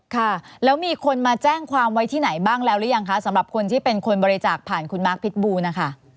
ค่ะแล้วมีคนมาแจ้งความไว้ที่ไหนบ้างแล้วหรือยังคะสำหรับคนที่เป็นคนบริจาคผ่านคุณมาร์คพิษบูนะคะ